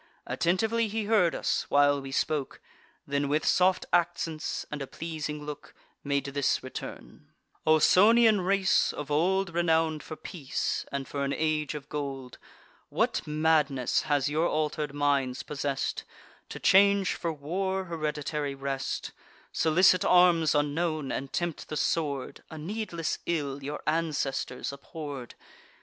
Attentively he heard us, while we spoke; Then, with soft accents, and a pleasing look, Made this return: 'Ausonian race, of old Renown'd for peace, and for an age of gold, What madness has your alter'd minds possess'd, To change for war hereditary rest, Solicit arms unknown, and tempt the sword, A needless ill your ancestors abhorr'd?